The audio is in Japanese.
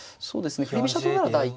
振り飛車党なら第一感